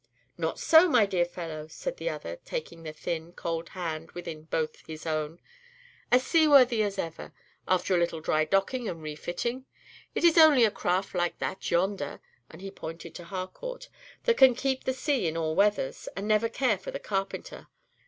"Not so, my dear fellow," said the other, taking the thin, cold hand within both his own; "as seaworthy as ever, after a little dry docking and refitting. It is only a craft like that yonder," and he pointed to Harcourt, "that can keep the sea in all weathers, and never care for the carpenter.